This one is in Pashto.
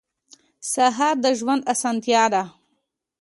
سهار د ژوند اسانتیا ده.